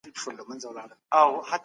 څېړونکي په کتابتون کې پلټنه کوله.